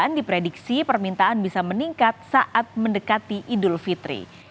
dan diprediksi permintaan bisa meningkat saat mendekati idul fitri